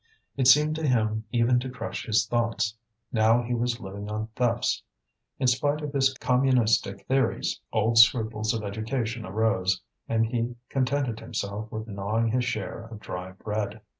It seemed to him even to crush his thoughts. Now he was living on thefts. In spite of his communistic theories, old scruples of education arose, and he contented himself with gnawing his share of dry bread.